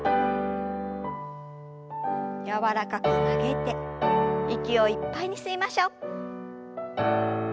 柔らかく曲げて息をいっぱいに吸いましょう。